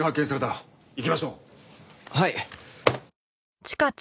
はい。